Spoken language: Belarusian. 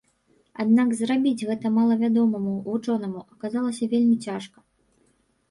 Аднак зрабіць гэта малавядомаму вучонаму аказалася вельмі цяжка.